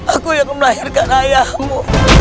aku yang melahirkan ayahmu